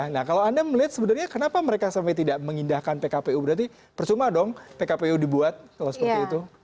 nah kalau anda melihat sebenarnya kenapa mereka sampai tidak mengindahkan pkpu berarti percuma dong pkpu dibuat kalau seperti itu